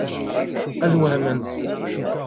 Ad wehment.